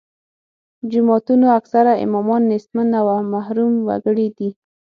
جوماتونو اکثره امامان نیستمن او محروم وګړي دي.